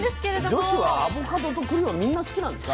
女子はアボカドとくりはみんな好きなんですか？